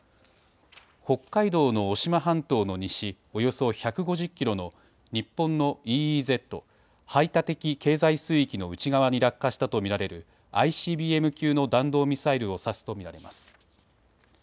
北海道の渡島半島の西、およそ１５０キロの日本のＥＥＺ・排他的経済水域の内側に落下したと見られるＩＣＢＭ級の弾道ミサイルを指すと見られます。